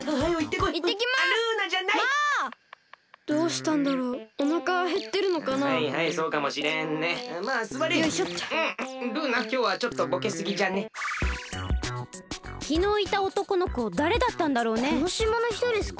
このしまのひとですか？